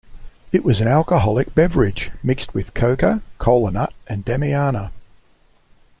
It was an alcoholic beverage, mixed with coca, kola nut and damiana.